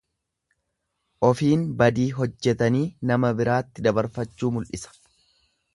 Ofiin badii hojjetanii nama biraatti dabarfachuu mul'isa.